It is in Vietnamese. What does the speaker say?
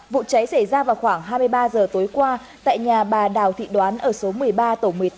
vụ cháy xảy ra vào khoảng hai mươi ba h tối qua tại nhà bà đào thị đoán ở số một mươi ba tổ một mươi tám